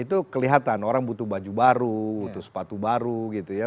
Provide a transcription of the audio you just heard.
itu kelihatan orang butuh baju baru butuh sepatu baru gitu ya